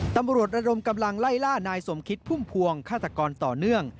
ตำรวจระดมกำลังไล่ล่านายสมคิดพุ่มพวงฆาตกรต่อเนื่อง